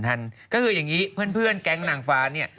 ก็คืออย่างนี้เพื่อนแก๊งนางฟ้าเนี่ย